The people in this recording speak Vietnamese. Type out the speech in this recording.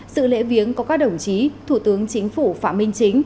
sự lễ viếng có các đồng chí thủ tướng chính phủ phạm minh chính